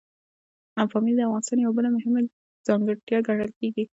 پامیر د افغانستان یوه بله مهمه طبیعي ځانګړتیا ګڼل کېږي.